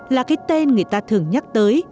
là cái tên người ta thường nhắc tới